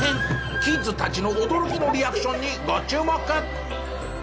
キッズたちの驚きのリアクションにご注目！